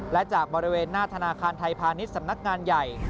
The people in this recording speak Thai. และจากบริเวณหน้าธนาคารไทยพาณิชย์สำนักงานใหญ่